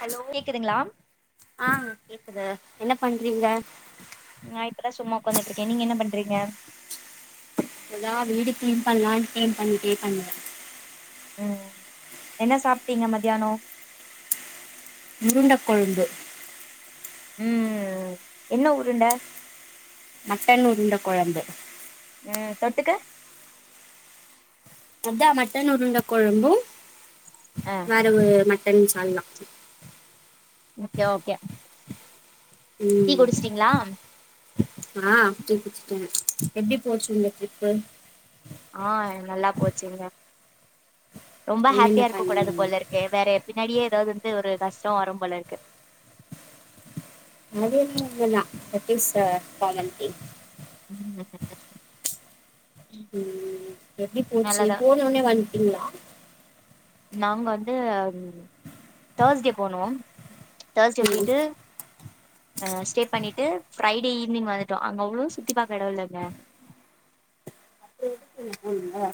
hello கேக்குதுங்களா ஆ கேக்குது என்ன பண்றீங்க நா இப்பதா சும்மா உட்காந்துட்டு இருக்கே நீங்க என்ன பண்றீங்க இப்பதா வீடு கிளீன் பண்ணலான்னு கிளீன் பண்ணிட்டே பண்ணல ம் என்ன சாப்ட்டீங்க மத்யானோ உருண்ட கொழம்பு ம் என்ன ஊருண்ட மட்டன் உருண்ட கொழம்பு ம் தொட்டுக்க அதான் மட்டன் உருண்ட கொழம்பு அ வேற ஒரு மட்டன் சால்னா ஓகே ஓகே டீ ம் குடிச்சிட்டீங்களா ஆ அப்டியே குச்சிட்டேன் எப்டி போச்சு இந்த ட்ரிப்பு ஆ நல்லா போச்சுங்க ரொம்ப என்னென்ன ஹாப்பியா இருக்க கூடாது பண்ணீங்க போல இருக்கு வேற பின்னாடியே எதாவது வந்து ஒரு கஷ்டோ வரும் போல இருக்கு அது என்னமோ உண்மதான் that is a common thing ம் ம் ம் எப்டி போச்சு நல்லதா போன ஒன்னே வந்ட்டீங்ளா நாங்க வந்து த்தேர்ஸ்டே போனோ த்தேர்ஸ்டே ம் போயிட்டு அ ஸ்டே பண்ணிட்டு ப்ரைடே ஈவினிங் வந்துட்டோ அங்க அவ்ளோ சுத்தி பாக்க எடோ இல்லங்க ம் ம் அம்லா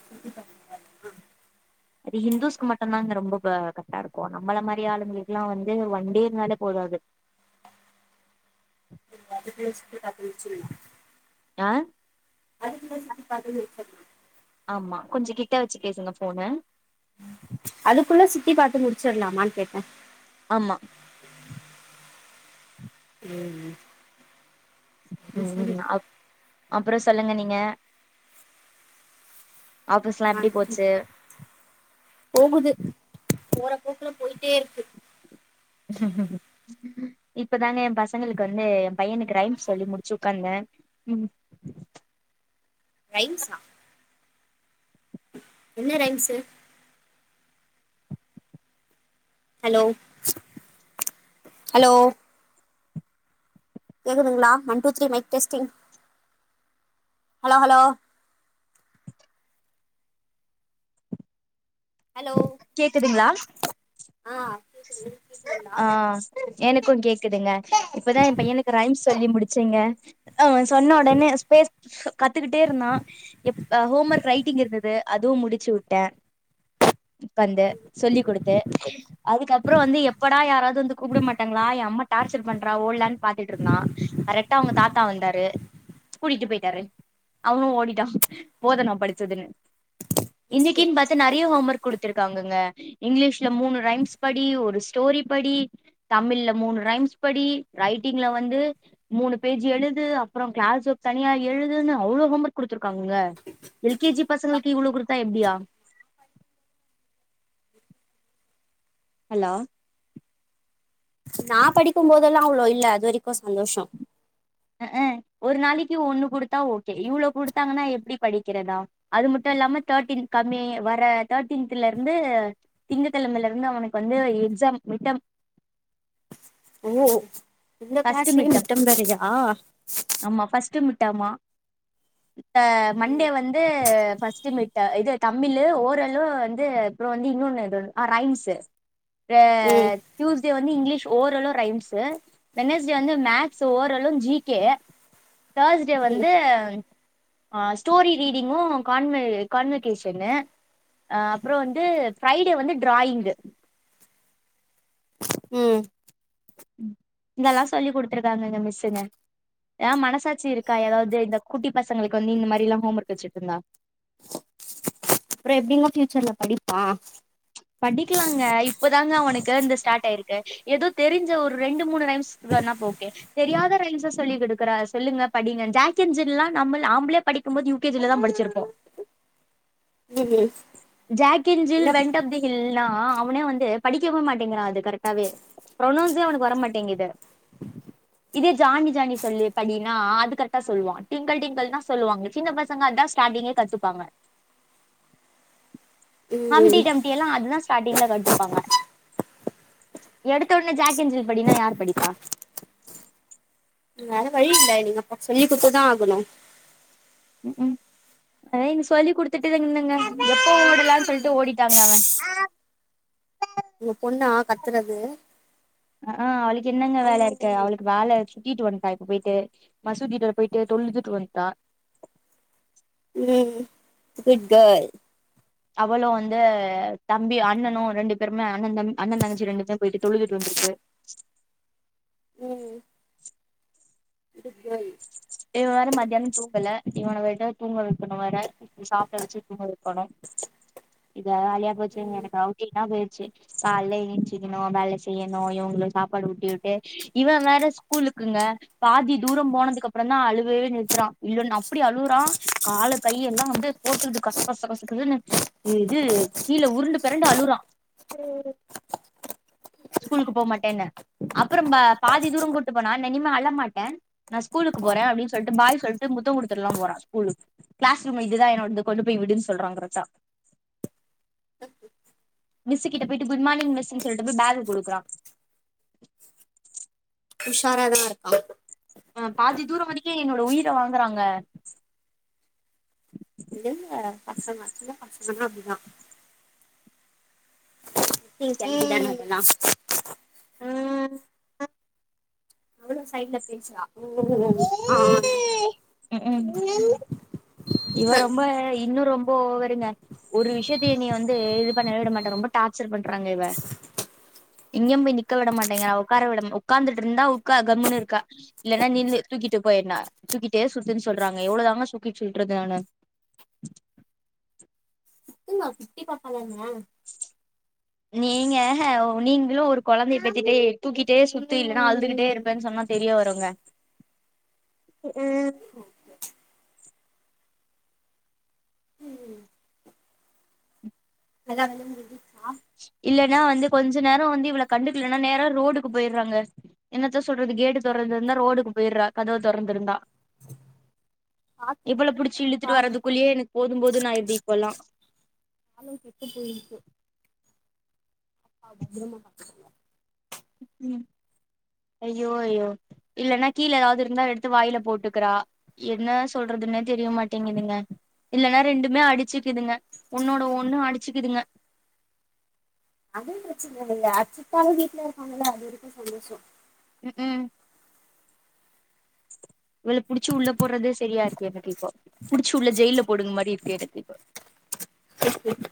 அது இந்துஸ்க்கு மட்டுந்தான் அங்க ரொம்ப கரெக்டா இருக்கு நம்மள மாரி ஆளுங்களுக்கு எல்லா வந்து ஒன் டே இருந்தாலே போதாது [unintelligible] ஆ சுத்திப்பாக்க இருக்க முடியாது ஆமா கொஞ்சொ கிட்ட வெச்சு பேசுங்க ஃபோன அதுக்குள்ள சுத்தி பாத்து முடிச்சிர்லாமான்னு கேட்டேன் ஆமா ஓ ஓ ம் அ அப்றோ சொல்லுங்க நீங்க ஆபீஸ்லா ஆ எப்டி போச்சு போகுது போற போக்குல போயிட்டே இருக்கு ஹ ம் இப்பதாங்க என் பசங்களுக்கு வந்து என் பையனுக்கு ரைம்ஸ் சொல்லி முடிச்சு உக்காந்தன் ரைம்ஸா என்ன ரைம்ஸு ஹலோ ஹலோ கேக்குதுங்ளா one two three mic testing hello hello hello கேக்குதுங்ளா ஆ கேக்குது உங்களுக்கு கேக்குதுங்களா ஆ எனக்கு கேக்குதுங்க இப்பதான் என் பையனுக்கு ரைம்ஸ் சொல்லி முடிச்சங்க ஆ அவன் சொன்ன ஒடனே ஸ்பேஸ் கத்துக்கிட்டே இருந்தான் எ ஹோம் ஒர்க் ரைட்டிங் இருந்தது அதுவு முடிச்சு விட்டேன் உக்காந்து சொல்லி குடுத்து அதுக்கப்றோ வந்து எப் படா யாராவது வந்து கூப்பிட மாட்டாங்ளா என் அம்மா டார்ச்சர் பண்றா ஓட்லான்னு பாத்துட்டு இருந்தான் கரெ க்ட்டா அவுங்க தாத்தா வந்தாரு கூட்டிட்டு போயிட்டாரு அவனு ஓடிட்டான் போதூ நா படிச்சதுன்னு எஸ் கே இன்னிக்கின்னு பாத்து நெறைய ஹோம் ஒர்க் குடுத்திருக்காங்கங்க இங்கிலீஷ்ல மூணு ரைம்ஸ் படி ஒரு ஸ்டோரி படி தமிழ்ல மூணு ரைம்ஸ் படி ரைட்டிங்ல வந்து மூணு பேஜ் எழுது அப்றோ கிளாஸ் ஒர்க் தனியா எழுதுன்னு அவ்ளோ ஹோம் ஒர்க் குடுத்திருக்காங்கங்க எல் கே ஜி பசங்களுக்கு இவ்ளோ குடுத்தா எப்டியா ஹலோ நா படிக்கு போதெல்லா அவ்ளோ இல்ல அது வரிக்கு சந்தோஷோ ம் ஒரு நாளிக்கி ஒண்ணு குடுத்தா ஓகே இவ்ளோ குடுத்தாங்கன்னா எப்டி படிக்கிறதா அது மட்டு இல்லாம தேர்டீன்த் கம்மிங் வர தேர்ட்டீன்திலர்ந்து திங்ககிழமலர்ந்து அவனுக்கு வந்து எக்ஸாம் மிட்டம் ஓ இந்த கிளாஸ்லே மிட்டம் வேறயா ஆமா ஃபஸ்ட்டு மிட்டமா இப்ப மண்டே வந்து பர்ஸ்ட்டு மீட்ட இது தமிழு ஓரளு வந்து அப்புற வந்து இன்னொன்னு எதோ அ ரைம்ஸு ம் டியூஸ்டே வந்து இங்கிலீஷ் ஓரளு ரைம்ஸு வெனஸ்டே வந்து மேக்ஸு ஓரளு ஜிகே தேர்ஸ்டே ம் வந்து ஆ ஸ்டோரி ரீடிங்கு கான்வ கான்வகேஷன்னு அ அப்புற வந்து ஃபிரைடே வந்து ட்ராயிங்கு ம் இதெல்லா சொல்லி குடுத்துருக்காங்கக மிஸ்சுங்க ஏ மனசாச்சி இருக்கா ஏதாவது இந்த குட்டி பசங்களுக்கு வந்து இந்த மாரிலா ஹோம் ஒர்க் வச்சிட்ருந்தா அப்புற எப்டிங்கோ ஃபியூச்சர்ல படிப்பா படிக்கிலாங்க இப்பதாங்க அவனுக்கிந்த ஸ்டார்ட் ஆயிருக்கு ஏதோ தெரிஞ்ச ஒரு ரெண்டு மூணு ரைம்ஸ் வேனா ஓகே தெரியாத ரைம்ஸ் சொல்லிகுடு கிற சொல்லுங்க படிங்க ஜேக் அன் ஜிம்ல நம்ப நாம்பிளே படிக்கு போது யூகேஜில தா படிச்சிருப்போ உம் Jack in Jill went up the ஹில்னா அவனே வந்து படிக்கவு மாட்டேங்கிறா அது கரெட்டாவே பிரொனோன்ஸே அவனுக்கு வரமாட்டேங்குது இதே ஜானி ஜானி சொல்லி படினா அது கர்டா சொல்லுவா டிங்கள் டிங்கங்னா சொல்லுவாங்க சின்ன ப சங்க அத் தா ஸ்டாடிங்கே கத்துப்பாங்க அம்டி ம் டம்டி எல்லா அதுதா ஸ்டார்ட்டிங்ல கட்டுப்பாங்க எடுத்த உன்னே ஜாக்கென் ஜில் படினா யார் படிப்பா வேற வழி இல்ல நீங்க அப் சொல்லி குட்த்துதா ஆகுணு ம் அதா இங்க சொல்லி குடுத்துட்டு இருந்தங்க எப்போ விடலான்னு சொல்லிட்டு ஓடிட்டாங்க அவ உங்க பொண்ணா கத்துறது அ ஆ அவளுக்கு என்னங்க வேல இருக்கு அவளுக்கு வேல சுட்டிட்டு வன்டா இப்ப போயிட்டு மசூதிடர போய்ட்டு தொழ்திட்டு வன்டா ம் குட் கேர்ள் அவளோ வந்து தம்பி அண்ணனு ரெண்டு பேருமே அண்ண தம் அண்ணன் தங்கச்சி ரெண்டு பேருமே போயிட்டு தொழுதுட்டு வந்திருக்கு ம் குட் கேர்ள் இவ வேற மத்யான தூங்கல இவன விட்ட தூங்க வெக்கணு வேற சாப்பிட வச்சு துங்க வெக்கணு இதே அலயா போச்சுங்க எனக்கு அவுடிங்ல பேய்ர்ச்சு கால்ல எஞ்சிகிணு வேல செய்யணு இவுங்ளுக் சாப்பாடு ஊட்டி வுட்டு இவ வேற ஸ்கூலுக்குங்க பாதி தூரோ போனதுக்கு அப்புறந்தா அழுவவே நிற்த்துறா இல்லனா அப்டி அழுவுறா கால கைய எல்லா வந்து போட்டுக்கிட்டு கச கச கசக்கதுன்னு இது கீழ உருண்டு பெரண்டு அழுவ்றா ஸ்கூலுக்கு போமாட்டேன்னு அப்புற பாதி தூரோ கூட்டு போனா நன்னிமா அழ மாட்டே நா ஸ்கூலுக்கு போறே அப்டின் சொல்ட்டு பாய் சொல்ட்டு முத்தோ குடுத்துர்லா போற ஸ்கூலுக்கு கிளாஸ் ரூம் இதுதா என்னோட்து கொண்டு போய் விடுன் சொல்றா கரட்டா மிஸ்ஸு கிட்ட போயிட்டு குட் மார்னிங் மிஸ்சுன் சொல்ட்டு போய் பேக குடுக்குறா உஷாராதா இருக்கா பாதி தூரோ வரைக்கு என்னோட உயிர வாங்குறாங்க இல்ல பசங்க சின்ன பசங்கனா அப்டிதா [unintelligible] ம் அதெல்லா ம் அவளு சைட்ல பேசுரா உ ஆனு க் ம் இவ ரொம்ப இன்னு ரொம் இப்போ வருங்க ஒரு விஷ்யத்த இனி வந்து இது பண்ணவே விட மாட்டா ரொம்ப டார்ச்சர் பண்றாங்க இவ எங்யு போய் நிக்க விட மாட்டேங்குர உக்கார விட உக்காந்துட்ருந்தா உட்க்கா கம்முன்னு இருக்கா இல்லன்னா நில்லு தூக்கிட்டு போ எங்னா தூக்கிட்டே சுத்துன்னு சொல்றாங்க எவ்ளோ தாங்க தூக்கிட்டு சுத்துறது நானு கத்துங்க [unintelligible] நீங்க நீங்களு ஒரு கொழந்தைய பெத்துட்டு தூக்கிட்டே சுத்து இல்லன்னா அழுதுகிட்டே இருப்பேன் சொன்னா தெரிய வருங்க ம் எல்லா வேலையு முடின்சா இல்லென்னா வந்து கொஞ்ச நேரோ வந்து இவள கண்டுக்லனா நேர ரோடுக்கு பொய்றாங்க என்னத்த சொல்றது கேட்டு தொறந்திருந்தா ரோடுக்கு பெய்றா கதவு தொறந்திருந்தா பார்த்து இவள தான் புடிச்சு இருக்கணும் இழுத்துட்டு காலும் வர்றதுக்குள்ளயே எனக்கு போது போதுனு ஆய்ருது இப்பெல்லா விட்டு பொய்ருக்கு அ பத்ரமா பாத்துகோ ம் ஐய்யோ ஐய்யோ இல்லன்னா கீழ ஏதாவ்து இருாந்தா எடுத்து வாய்ல போட்டுக்குறா என்ன சொல்றதுன்னே தெரியமாட்டேங்குதுங்க இல்லலன்னா ரெண்டுமே அடிச்சுக்குதுங்க ஒன்னோட ஒண்ணு அடிச்சுக்குதுங்க அதுவு பிரச்சன இல்ல அட்சுட்டாழு வீட்ல இருக்காங்கல்ல அதுவரைக்கு சந்தோஷோ ம் இவள புடிச்சு உள்ள போட்றதே செரியா இருக்கு எனக்கு இப்போ புடிச்சு உள்ள ஜெயில்ல போடுங்க மாரி இருக்கு எனக்கு இப்போ [inaudible]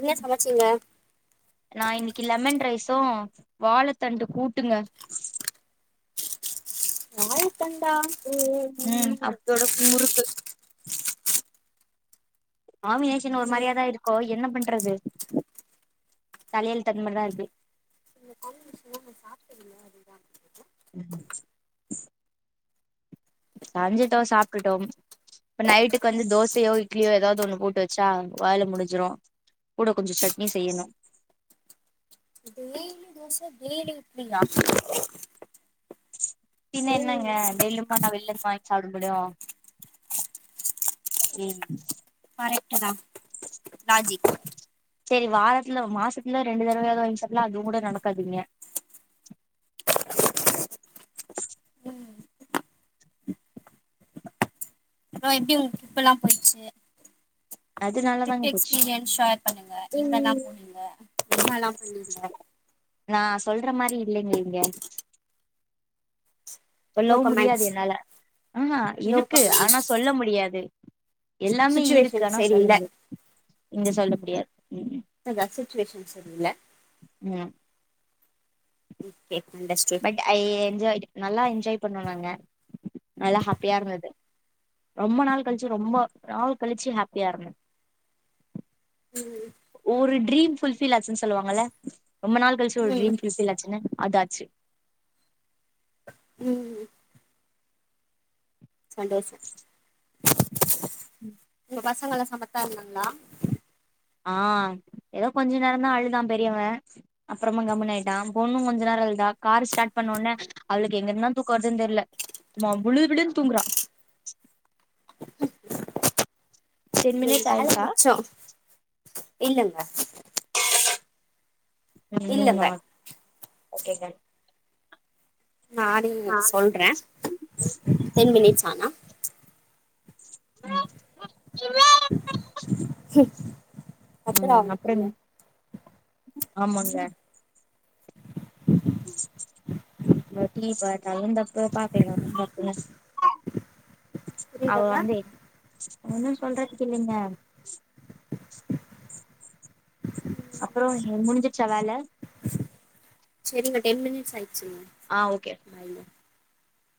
என்ன சமச்சீங்க நா இன்னைக்கு லெமன் ரைஸு வாழத்தண்டு கூட்டுங்க வாழத்தண்டா ம் அத்தோட முறுக்கு காமினேஷன் ஒரு ம் மாறியாதா இருக்கு என்ன பண்றது தலையெலுத்து அந்த மாறிதா தா இருக்கு ம் சாப்டதுல அதுதா ம் சஞ்சுட்டோ சாப்ட்டுட்டோ இப்ப நைட்டுக்கு வந்து தோசையோ இட்லியோ ஏதாவ்து ஒண்ணு போட்டு வச்சா வேல முடிஞ்சுரு கூட கொஞ்சோ சட்னி செய்யணு நீ டெய்லி இப்டியா பின்ன என்னங்க டெய்லியுமா நா வெல்லந்து வாங்கி சாப்ட முடியு ம் கரெக்டு தா லாஜிக் ச்சேரி வாரத்துல மாசத்துல ரெண்டு தடவயாது வாங்கி சாப்புலா அதுகூட நடக்காது இங்க அப்றோ எப்டி உங்களுக்கு ட்ரிப்பெலா போச்சு ட்ரிப் அதனாலதாங்க போச்சு எக்ஸ்பீரியன்ஸ் ஷேர் பண்ணுங்க எங்கெல்லா போனீங்க என்னல்லா பண்ணீங்க நா சொல்ற மாரி இல்லிங்க இங்க நோ சொல்லவு முடியாது கமெண்ட்ஸ் என்னால அ அ நோ இருக்கு கமெண்ட்ஸ் ஆனா சொல்ல முடியாது எல்லாமே இருக்கு சுச்சுவேஷன் ஆனா சொல்ல சரியில்ல முடியாத் இங்க சொல்ல முடியாத் ம் அ ரசட்ரேஷன் சரியில்ல ம் okay understood but I enjoyed நல்லா என்ஜாய் பண்ணோ நாங்க நல்லா ஹாப்பியா இருந்தது ரொம்ப நாள் கழிச்சு ரொம்ப நாள் கழிச்சு ஹாப்பியா இருந்தே ம் ஒரு ட்ரீம் ஃபுல்ஃபில் ஆச்சுன் சொல்லுவாங்கள ரொம்ப நாள் கழிச்சு ஒரு ம் ட்ரீம்பில் ஃபுல்ஃபில் ஆச்சுனு அது ஆச்சு ம் சந்தோசோ ம் பசங்கள சமத்தா இருந்தாங்களா ஆ எதோ கொஞ்ச நேரந்தா அழுதா பெரியவே அப்புறமா கம்முனு ஆய்ட்டா பொண்ணு கொஞ்ச நேர அழுதா கார ஸ்டாட் பண்ண ஒன்ன அவளுக்கு எங்கருந்தா தூக்க வர்துன் தெர்ல சும்மா விழு விழுன் தூங்குறா டென் உங்களுக்கு மினிட்ஸ் வேல ஆயிடுச்சா மிச்சோ இல்லங்க இல்லங்க [unintelligible] ஓகேங்க நானே ஆ சொல்றே டென் மினிட்ஸ் ஆனா ம் கத்துறா ம் உங்க அப்றங் பொண்ணு ஆமாங்க ம் நாட்டி பட் அவ ஏந்தப்ப பாத் [unintelligible] அவ புரியுதாங்க வந்து ஒன்னு சொல்றதுக்கில்லேங்க அப்பறோ ம் முடிஞ்சுர்ச்சா வேல செரிங்க டென் மினிட்ஸ் ஆய்ச்சுங்க ஆ ஓகே